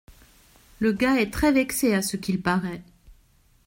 Le gars est très vexé à ce qu’il parait.